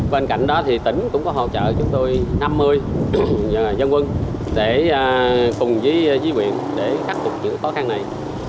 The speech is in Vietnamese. bên cạnh đó thì tỉnh cũng có hỗ trợ chúng tôi năm mươi dân quân để cùng với quyền để khắc phục sự khó khăn này